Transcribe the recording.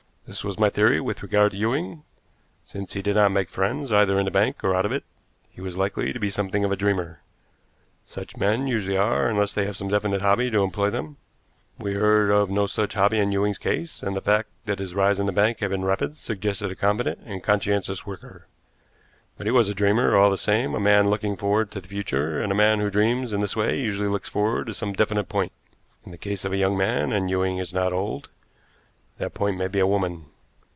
This was my theory with regard to Ewing. Since he did not make friends, either in the bank or out of it, he was likely to be something of a dreamer. Such men usually are, unless they have some definite hobby to employ them. We heard of no such hobby in Ewing's case, and the fact that his rise in the bank had been rapid suggested a competent and conscientious worker. But he was a dreamer, all the same a man looking forward to the future, and a man who dreams in this way usually looks forward to some definite point. In the case of a young man and Ewing is not old that point may be a woman.